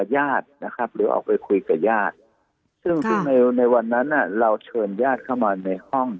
ญาตินะครับหรือออกไปคุยกับญาติซึ่งในในวันนั้นเราเชิญญาติเข้ามาในห้อง